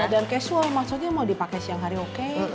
dan casual maksudnya mau dipakai siang hari oke